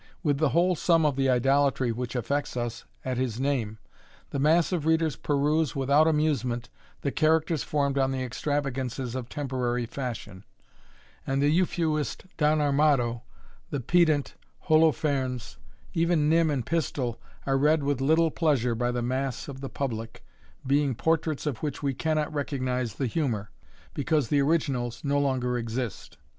With the whole sum of the idolatry which affects us at his name, the mass of readers peruse, without amusement, the characters formed on the extravagances of temporary fashion; and the Euphuist Don Armado, the pedant Holofernes, even Nym and Pistol, are read with little pleasure by the mass of the public, being portraits of which we cannot recognize the humour, because the originals no longer exist.